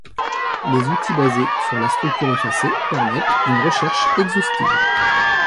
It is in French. Les outils basés sur la structure effacée permettent une recherche exhaustive.